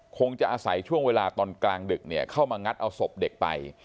คงจะอาศัยช่วงเวลาตอนกลางดึกเนี่ยเข้ามางัดเอาศพเด็กไป